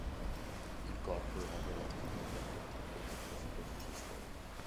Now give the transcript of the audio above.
Il corpo era relativamente appiattito e dal profilo fusiforme.